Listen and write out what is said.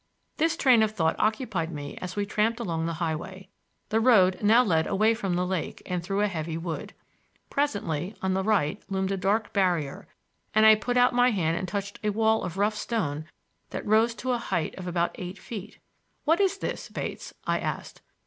This train of thought occupied me as we tramped along the highway. The road now led away from the lake and through a heavy wood. Presently, on the right loomed a dark barrier, and I put out my hand and touched a wall of rough stone that rose to a height of about eight feet. "What is this, Bates?" I asked.